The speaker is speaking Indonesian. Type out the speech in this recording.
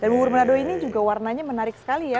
dan bubur manado ini juga warnanya menarik sekali ya